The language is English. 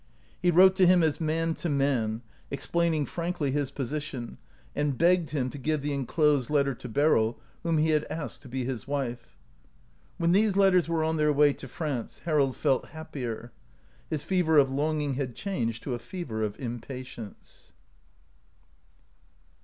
He wrote to him as man to man, explaining frankly his position, and begged 215 OUT OF BOHEMIA him to give the inclosed letter to Beryl, whom he had asked to be his wife. When these letters were on their way to France Harold felt happier. His fever of longing had changed to a fever of impa tience.